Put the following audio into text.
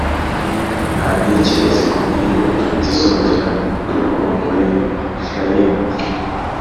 Nta nkike zikomeye zizongera kubaho muri Efurayimu,